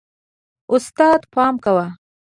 استاده، پام کوه.